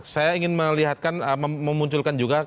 saya ingin melihatkan memunculkan juga